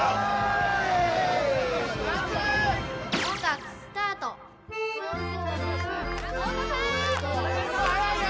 音楽スタート・あっ！